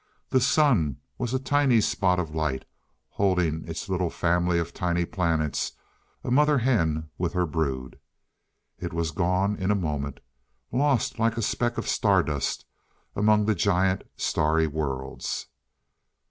The Sun was a tiny spot of light, holding its little family of tiny planets a mother hen with her brood. It was gone in a moment, lost like a speck of star dust among the giant starry worlds.